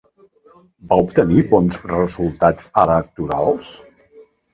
Va obtenir bons resultats electorals?